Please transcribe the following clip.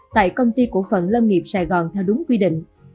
tại công ty cổ phần lâm nghiệp sài gòn theo đúng quy định